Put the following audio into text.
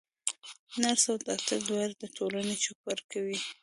نرس او ډاکټر دواړه د ټولني چوپړ کوي.